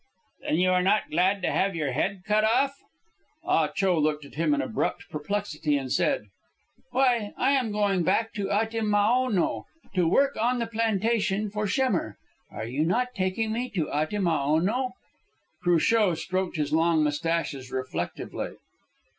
"Then you are not glad to have your head cut off?" Ah Cho looked at him in abrupt perplexity, and said "Why, I am going back to Atimaono to work on the plantation for Schemmer. Are you not taking me to Atimaono?" Cruchot stroked his long moustaches reflectively.